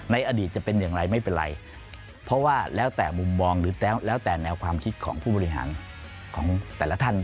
ในอดีตจะเป็นอย่างไรไม่เป็นไรเพราะว่าแล้วแต่มุมมองหรือแล้วแต่แนวความคิดของผู้บริหารของแต่ละท่าน